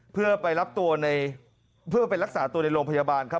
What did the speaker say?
เพื่อไปรับตัวในเพื่อไปรักษาตัวในโรงพยาบาลครับ